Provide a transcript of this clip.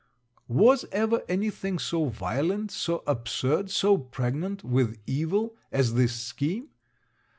Was ever any thing so violent, so absurd, so pregnant with evil at this scheme?